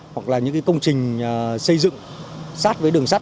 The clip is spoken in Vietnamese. hoặc là những công trình xây dựng sát với đường sắt